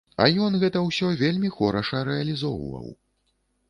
А ён гэта ўсё вельмі хораша рэалізоўваў.